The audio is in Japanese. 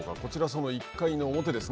その１回表です。